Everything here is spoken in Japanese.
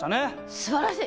すばらしい！